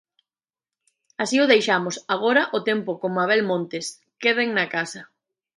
Así o deixamos, agora o tempo con Mabel Montes, queden na casa.